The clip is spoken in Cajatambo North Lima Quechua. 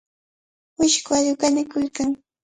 Wisku allqu kanikuykan.